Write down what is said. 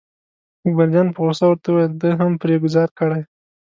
اکبرجان په غوسه ورته وویل ده هم پرې ګوزار کړی.